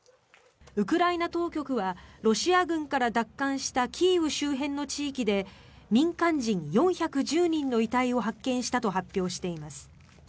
ウクライナ当局はロシア軍から奪還したキーウ周辺の地域で民間人４１０人の遺体を発見したと発表しています。